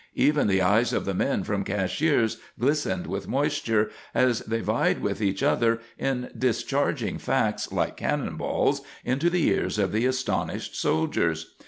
Even the eyes of the men from Cashiers glistened with moisture, as they vied with each other in discharging facts, like cannon balls, into the ears of the astonished soldiers.